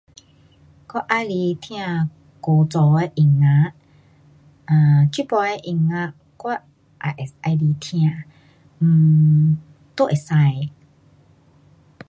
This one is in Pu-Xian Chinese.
我喜欢听古早的音乐。um 这次的音乐我也会喜欢听。um 都可以。